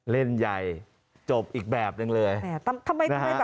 เล่นใหญ่จบอีกแบบหนึ่งเลย